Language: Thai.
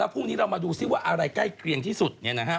พรุ่งนี้เรามาดูซิว่าอะไรใกล้เกลียงที่สุด